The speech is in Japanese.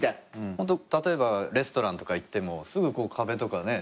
ホント例えばレストランとか行ってもすぐこう壁とかね。